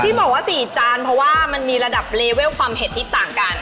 ที่บอกว่า๔จานเพราะว่ามันมีระดับเลเวลความเผ็ดที่ต่างกัน